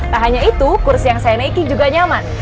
tak hanya itu kursi yang saya naiki juga nyaman